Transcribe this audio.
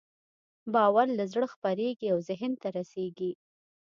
باور له زړه خپرېږي او ذهن ته رسېږي.